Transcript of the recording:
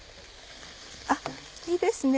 あっいいですね